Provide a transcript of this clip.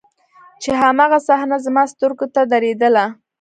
چې هماغه صحنه زما سترګو ته درېدله.